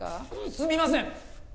すみません！